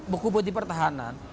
buku putih pertahanan